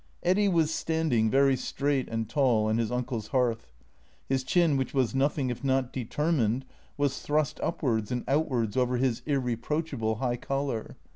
Eddy was standing, very straight and tall, on his uncle's hearth. His chin, which was nothing if not determined, was thrust upwards and outwards over his irreproachable high collar.